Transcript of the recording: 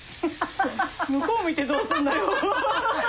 向こう向いてどうすんのよ。